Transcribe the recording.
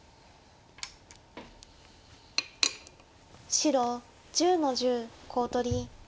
白１０の十コウ取り。